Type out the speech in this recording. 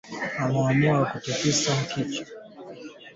Wameamua kusitisha kwa muda mazungumzo yake ya siri